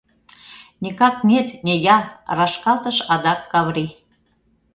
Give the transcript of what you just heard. — Никак нет, не я! — рашкалтыш адак Каври.